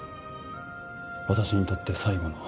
私にとって最後の。